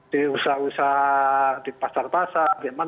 di usaha usaha di pasar pasar di antarabangsa